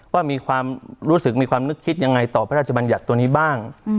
ว่ามีความรู้สึกมีความนึกคิดยังไงต่อพระราชบัญญัติตัวนี้บ้าง